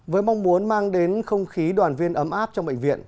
với mong muốn mang đến không khí đoàn viên ấm áp trong bệnh viện